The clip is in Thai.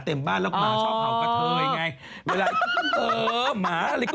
แต่ไม่ได้สร้างทาวน์ฮาว